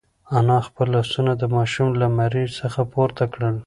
انا خپل لاسونه د ماشوم له مرۍ څخه پورته کړل.